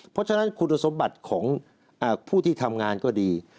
เพราะฉะนั้นคุณสมบัติของผู้ที่ทำงานก็ดี